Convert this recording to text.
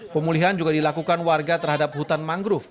pemulihan juga dilakukan warga terhadap hutan mangrove